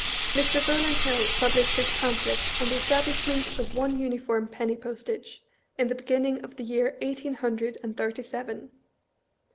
Mr. Rowland Hill published his pamphlet on the estab lishment of one uniform penny postage, in the beginning ol the year eighteen hundred and thirty seven.